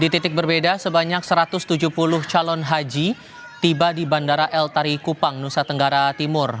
di titik berbeda sebanyak satu ratus tujuh puluh calon haji tiba di bandara el tari kupang nusa tenggara timur